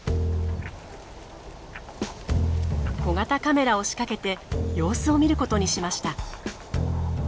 小型カメラを仕掛けて様子を見ることにしました。